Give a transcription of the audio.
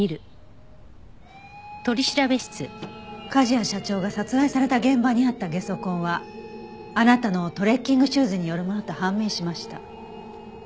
梶谷社長が殺害された現場にあったゲソ痕はあなたのトレッキングシューズによるものと判明しました。